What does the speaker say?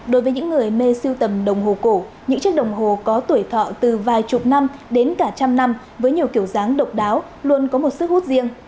đối với những người mê siêu tầm đồng hồ cổ những chiếc đồng hồ có tuổi thọ từ vài chục năm đến cả trăm năm với nhiều kiểu dáng độc đáo luôn có một sức hút riêng